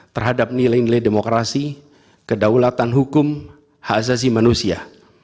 terhadap nilai nilai demokrasi kedaulatan hukum hak asasi manusia